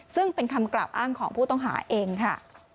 ซึ่งเป็นคำกล่าวอ้างของผู้ต้องหาเองค่ะ